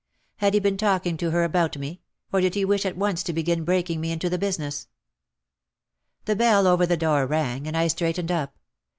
Had he been talking to her about me, or did he wish at once to begin breaking me into the business? The bell over the door rang and I straightened up.